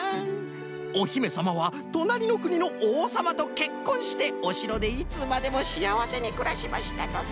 「おひめさまはとなりのくにのおうさまとけっこんしておしろでいつまでもしあわせにくらしましたとさ」。